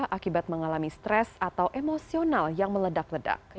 akibat mengalami stres atau emosional yang meledak ledak